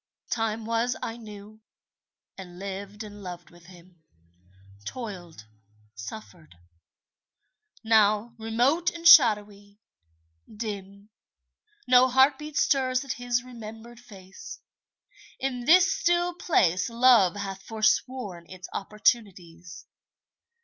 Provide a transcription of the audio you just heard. Time was I knew, and lived and loved with him; Toiled, suffered. Now, remote and shadowy, dim, No heartbeat stirs at his remembered face. In this still place Love hath forsworn its opportunities.